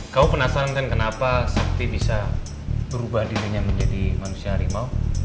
kamu penasaran kan kenapa sakti bisa berubah dirinya menjadi manusia harimau